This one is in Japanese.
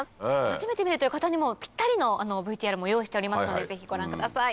初めて見るという方にもぴったりのＶＴＲも用意しておりますのでぜひご覧ください。